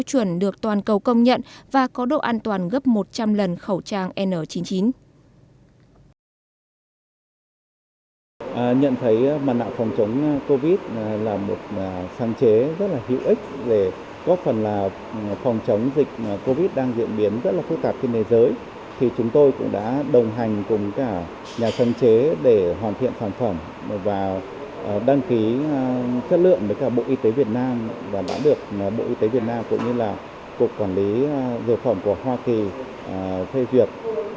có phần là phòng chống dịch covid đang diễn biến rất là phức tạp trên thế giới thì chúng tôi cũng đã đồng hành cùng cả nhà sáng chế để hoàn thiện sản phẩm và đăng ký chất lượng với cả bộ y tế việt nam và đã được bộ y tế việt nam cũng như là cục quản lý dược phẩm của hoa kỳ phê duyệt